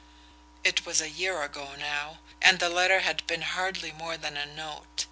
It was a year ago now and the letter had been hardly more than a note.